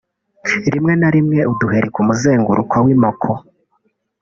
rimwe na rimwe uduheri ku muzenguruko w’imoko